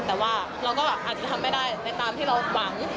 แต่ว่าเราก็อาจจะทำไม่ได้ในตามที่เราหวัง